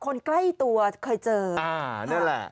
คนใกล้ตัวเคยเจออ่านั่นแหละ